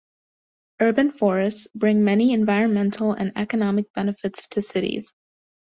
Urban forests bring many environmental and economic benefits to cities.